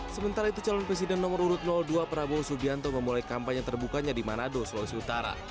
sementara itu calon presiden nomor urut dua prabowo subianto memulai kampanye terbukanya di manado sulawesi utara